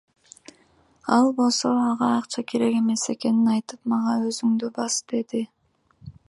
Ал болсо ага акча керек эмес экенин айтып, мага Өзүңдү бас деди.